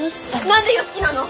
何で良樹なの！？